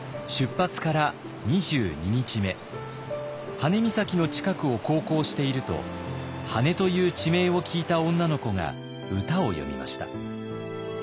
羽根岬の近くを航行していると「羽根」という地名を聞いた女の子が歌を詠みました。